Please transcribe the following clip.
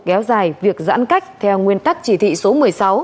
kéo dài việc giãn cách theo nguyên tắc chỉ thị số một mươi sáu